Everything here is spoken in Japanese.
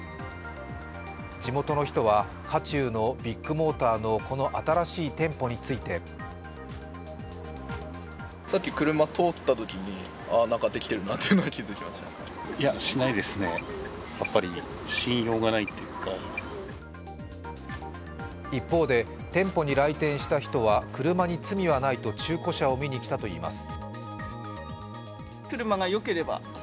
地元の人は、渦中のビッグモーターのこの新しい店舗について一方で店舗に来店した人は車に罪はないと中古車を見に来たといいます。